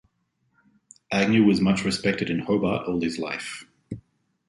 Agnew was much respected in Hobart all his life.